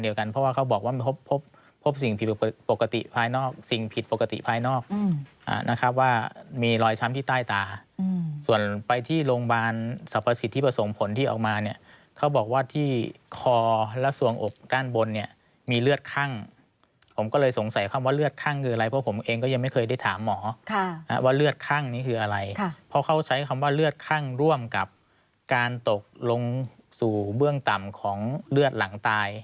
ว่ามีรอยช้ำที่ใต้ตาส่วนไปที่โรงพยาบาลสรรพสิทธิพศงผลที่เอามาเนี่ยเขาบอกว่าที่คอและส่วงอกด้านบนเนี่ยมีเลือดคั่งผมก็เลยสงสัยความว่าเลือดคั่งคืออะไรเพราะผมเองก็ยังไม่เคยได้ถามหมอค่ะว่าเลือดคั่งนี้คืออะไรค่ะเพราะเขาใช้คำว่าเลือดคั่งร่วมกับการตกลงสู่เบื้องต่ำของเลือดหลังต